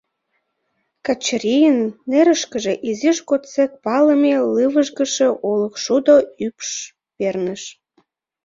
Качырийын нерышкыже изиж годсек палыме лывыжгыше олык шудо ӱпш перныш.